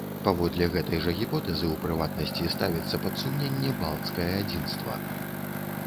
Паводле гэтай жа гіпотэзы, у прыватнасці, ставіцца пад сумненне балцкае адзінства.